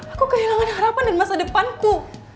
aku kehilangan harapan dan masa depanku